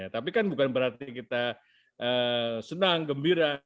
tapi kan bukan berarti kita senang gembira